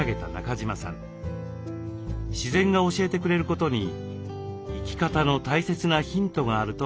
自然が教えてくれることに生き方の大切なヒントがあると感じています。